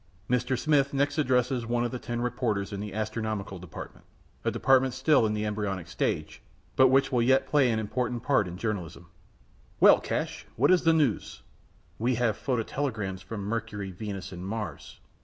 Mr. Smith next addresses one of the ten reporters in the astronomical department a department still in the embryonic stage, but which will yet play an important part in journalism. "Well, Cash, what's the news?" "We have phototelegrams from Mercury, Venus, and Mars."